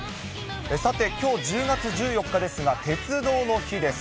さて、きょう１０月１４日ですが、鉄道の日です。